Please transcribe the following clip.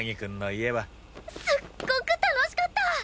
すっごく楽しかった！